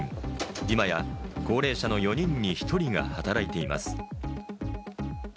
今や高齢者の４人に１人が働いています。